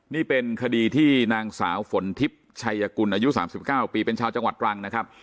นี่เป็นคดีที่นางสาวฝนทิพย์ชัยกุลอายุ๓๙ปีเป็นชาวจังหวัดตรังนะครับ